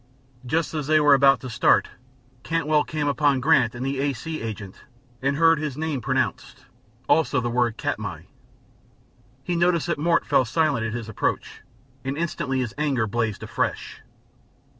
Just as they were about to start, Cantwell came upon Grant and the A. C. agent, and heard his name pronounced, also the word "Katmai." He noted that Mort fell silent at his approach, and instantly his anger blazed afresh.